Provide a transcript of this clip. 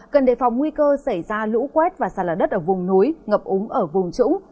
cần đề phòng nguy cơ xảy ra lũ quét và sạt lở đất ở vùng núi ngập úng ở vùng trũng